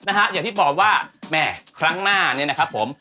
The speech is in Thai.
อย่างที่บอกว่าแม่ครั้งหน้าเนี่ยนะครับผม